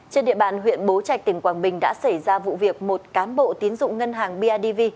trên địa bàn huyện bố trạch tỉnh quảng bình đã xảy ra vụ việc một cán bộ tín dụng ngân hàng bidv